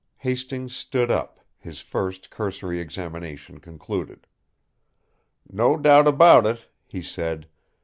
Hastings stood up, his first, cursory examination concluded. "No doubt about it," he said.